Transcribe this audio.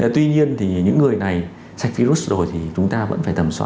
tuy nhiên thì những người này sạch virus rồi thì chúng ta vẫn phải tầm soát